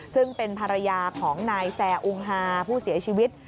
ซึ่งเป็นภรรยาของนายแซ่อุงฮาผู้เสียชีวิต